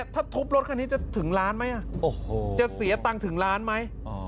ถ้าทุบรถคันนี้จะถึงล้านไหมจะเสียตังค์ถึงล้านไหม